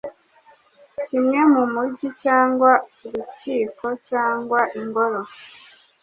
kimwe mu Mujyi, cyangwa Urukiko, cyangwa Ingoro